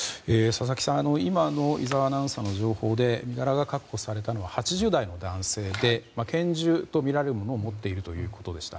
今井澤アナウンサーの情報で身柄が確保されたのは８０代の男性で拳銃とみられるものを持っているということでした。